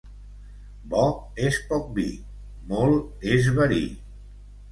Bo és poc vi, molt és verí.